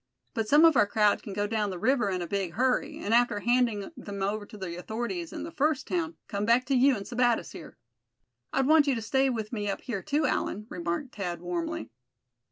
But some of our crowd can go down the river in a big hurry, and after handing them over to the authorities in the first town, come back to you and Sebattis here." "I'd want you to stay with me up here, too, Allan," remarked Thad, warmly.